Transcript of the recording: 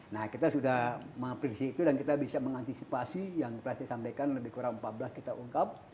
nah kita sudah memprediksi itu dan kita bisa mengantisipasi yang pernah saya sampaikan lebih kurang empat belas kita ungkap